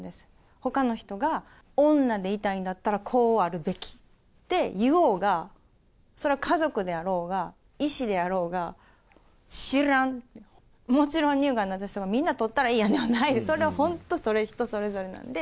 ほかの人が、女でいたいんだったらこうあるべきって言おうが、それは家族であろうが、医師であろうが、知らん、もちろん乳がんになった人がみんなとったらええやんではない、それは本当、人それぞれなんで。